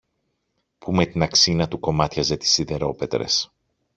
που με την αξίνα του κομμάτιαζε τις σιδερόπετρες